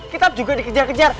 kita juga dikejar kejar